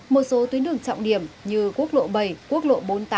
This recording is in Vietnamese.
một số tuyến đường trọng điểm như quốc lộ bảy quốc lộ bốn mươi tám